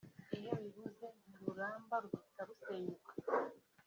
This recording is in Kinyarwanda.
iyo bibuze ntiruramba ruhita rusenyuka